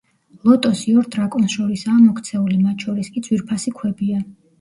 ლოტოსი ორ დრაკონს შორისაა მოქცეული, მათ შორის კი ძვირფასი ქვებია.